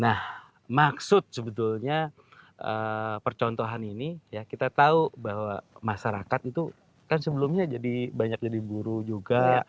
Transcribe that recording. nah maksud sebetulnya percontohan ini ya kita tahu bahwa masyarakat itu kan sebelumnya jadi banyak jadi buru juga